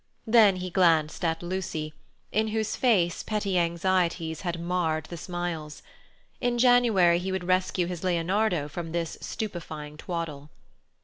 Then he glanced at Lucy, in whose face petty anxieties had marred the smiles. In January he would rescue his Leonardo from this stupefying twaddle.